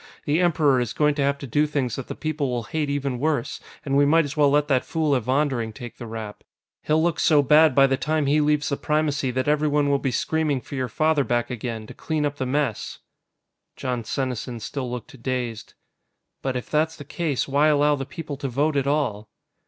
The Emperor is going to have to do things that the people will hate even worse, and we might as well let that fool Evondering take the rap. He'll look so bad by the time he leaves the Primacy that everyone will be screaming for your father back again, to clean up the mess." Jon Senesin still looked dazed. "But, if that's the case, why allow the people to vote at all?"